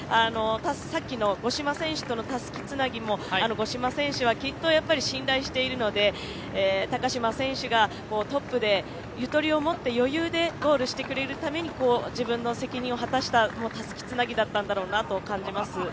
さっきの五島選手のたすきつなぎも、五島選手はきっと、信頼しているので高島選手がトップでゆとりをもって余裕でゴールしてくれるために自分の責任を果たしたたすきつなぎだったんだうろなと感じます。